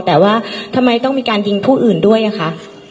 แต่ว่าทำไมต้องมีการยิงผู้อื่นด้วยอะคะ